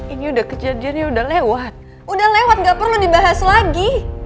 ini udah kejadiannya udah lewat udah lewat gak perlu dibahas lagi